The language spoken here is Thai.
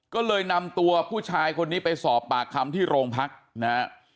ก็เลยนำตัวผู้ชายคนนี้ไปสอบปากคำที่โรงพักนะฮะ